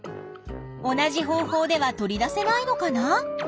同じ方法では取り出せないのかな？